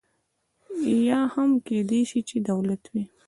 یا هم کېدای شي دولت وي.